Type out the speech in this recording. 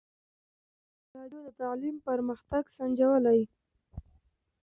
ازادي راډیو د تعلیم پرمختګ سنجولی.